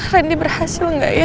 ren diberhasil gak ya